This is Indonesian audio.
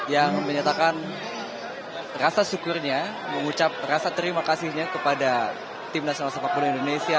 yang menyatakan rasa syukurnya mengucap rasa terima kasihnya kepada tim nasional sepak bola indonesia